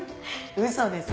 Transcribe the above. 嘘です。